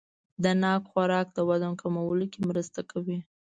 د ناک خوراک د وزن کمولو کې مرسته کوي.